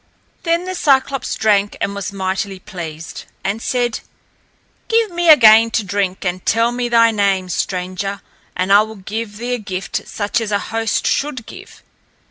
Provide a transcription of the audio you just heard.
Then the Cyclops drank and was mightily pleased, and said, "Give me again to drink and tell me thy name, stranger, and I will give thee a gift such as a host should give.